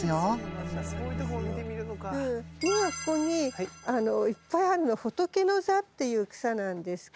今ここにいっぱいあるのホトケノザっていう草なんですけど。